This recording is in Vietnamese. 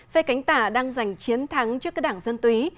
phe cánh tả đang giành chiến thắng trước các đảng dân túy